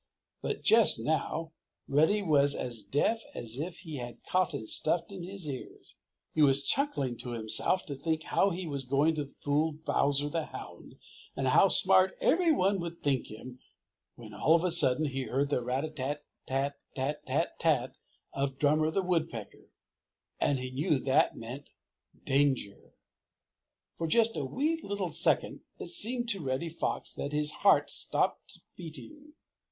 But just now Reddy was as deaf as if he had cotton stuffed in his ears. He was chuckling to himself to think how he was going to fool Bowser the Hound and how smart everyone would think him, when all of a sudden, he heard the rat a tat tata tat tat of Drummer the Woodpecker and knew that that meant "Danger!" For just a wee little second it seemed to Reddy Fox that his heart stopped beating.